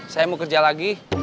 saya mau kerja lagi